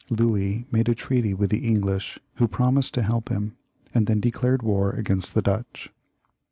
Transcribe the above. Louis made a treaty with the English, who pro mised to help him, and then dedared war against the Dutch.